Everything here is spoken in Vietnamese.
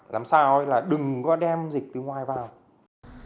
làm sao là đừng có đem dịch từ ngoài vào